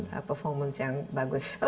dan performance yang bagus